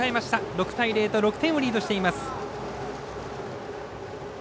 ６対０と６点をリードしています。